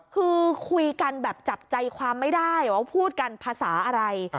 คือคุยกันแบบจับใจความไม่ได้ว่าพูดกันภาษาอะไร